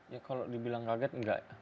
ya kalau dibilang kaget enggak